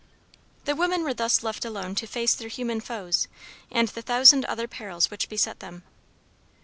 The women were thus left alone to face their human foes, and the thousand other perils which beset them.